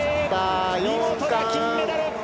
見事な金メダル！